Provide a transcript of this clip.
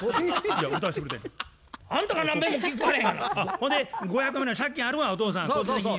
ほんで５００万の借金あるわお父さん個人的に。